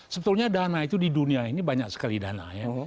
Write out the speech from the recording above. sebetulnya dana itu di dunia ini banyak sekali dana ya